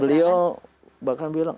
beliau bahkan bilang